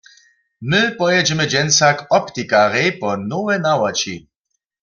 My pojědźemy dźensa k optikarjej po nowe nawoči.